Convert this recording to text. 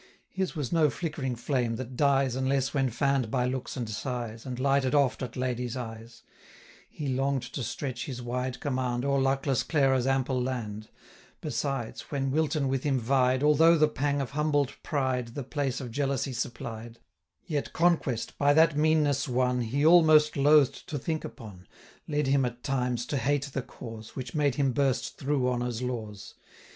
820 His was no flickering flame, that dies Unless when fann'd by looks and sighs, And lighted oft at lady's eyes; He long'd to stretch his wide command O'er luckless Clara's ample land: 825 Besides, when Wilton with him vied, Although the pang of humbled pride The place of jealousy supplied, Yet conquest, by that meanness won He almost loath'd to think upon, 830 Led him, at times, to hate the cause, Which made him burst through honour's laws.